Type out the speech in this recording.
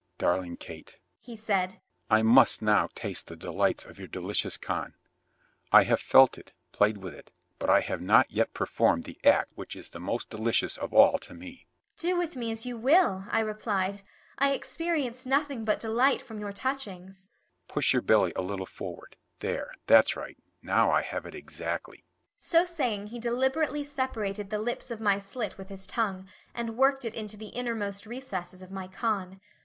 "Darling Kate," he said, "I must now taste the delights of your delicious con. I have felt it, played with it, but I have not yet performed the act which is the most delicious of all to me." "Do with me as you will," I replied. "I experience nothing but delight from your touchings." "Push your belly a little forward there, that's right, now I have it exactly." So saying he deliberately separated the lips of my slit with his tongue, and worked it into the innermost recesses of my con.